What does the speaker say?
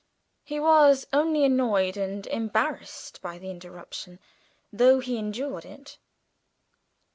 He was only annoyed and embarrassed by the interruption, though he endured it.